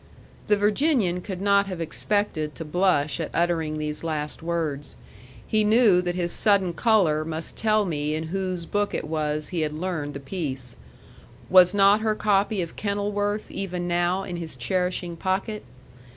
The Virginian could not have expected to blush at uttering these last words. He knew that his sudden color must tell me in whose book it was he had learned the piece. Was not her copy of Kenilworth even now in his cherishing pocket?